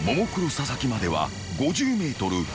佐々木までは５０ｍ］